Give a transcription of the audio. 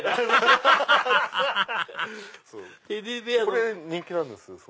これ人気なんです。